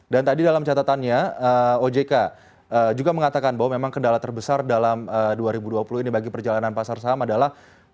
dan tadi dalam catatannya ojk juga mengatakan bahwa memang kendala terbesar dalam dua ribu dua puluh ini bagi perjalanan pasar saham adalah